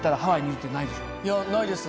いやないです。